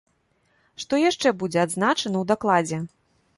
Што яшчэ будзе адзначана ў дакладзе?